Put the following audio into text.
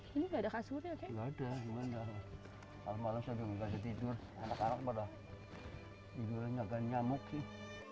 tidak ada kasurnya tidak ada gimana malam malam tidur anak anak pada tidurnya kan nyamuk sih